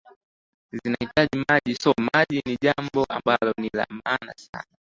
zinahitaji maji so maji ni jambo ambalo ni la maana sana